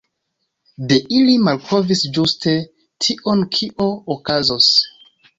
De ili li malkovris ĝuste tion kio okazos.